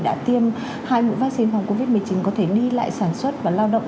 đã tiêm hai mũi vaccine phòng covid một mươi chín có thể đi lại sản xuất và lao động